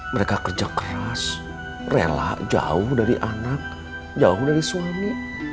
mereka kerja keras rela jauh dari anak jauh dari suami